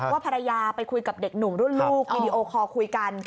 ว่าภรรยาไปคุยกับเด็กหนุ่มรุ่นลูกวีดีโอคอลคุยกัน